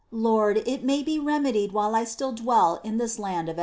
Lord, it may be remedied while I still dwell in this land of exile.